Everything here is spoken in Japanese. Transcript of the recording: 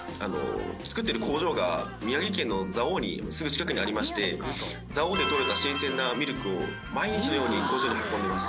作ってる工場が宮城県の蔵王にすぐ近くにありまして蔵王で採れた新鮮なミルクを毎日のように工場に運んでいます。